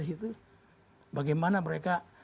disitu bagaimana mereka